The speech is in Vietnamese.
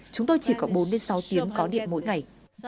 chúng tôi chỉ có bốn sáu tiếng có điện mỗi ngày